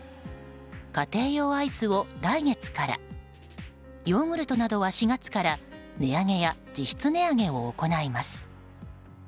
家庭用アイスを来月からヨーグルトなどは４月から値上げや実質値上げを行います。